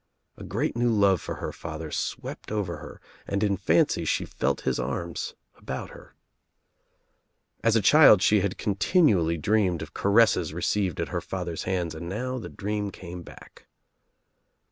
A great new love for her father swept over her So THE TRIUMPH OF THE EGG and in fancy she felt his arms about her. As a child she had continually dreamed of caresses received at her father's hands and now the dream came back.